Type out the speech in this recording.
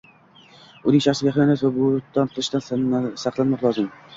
“uning shaxsiga xiyonat va bo’hton qilishdan” saqlanmoq lozim.